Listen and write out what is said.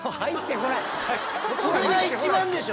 これが一番でしょ！